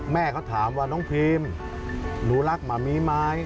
แม่เขาถามว่าน้องพรีมหนูรักหมามีไหม